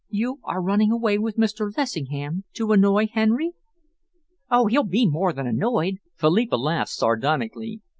"You are running away with Mr. Lessingham to annoy Henry?" "Oh, he'll be more than annoyed!" Philippa laughed sardonically.